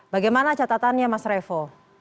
bagaimana catatannya mas revo